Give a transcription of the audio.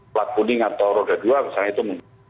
plat kuning atau roda dua misalnya itu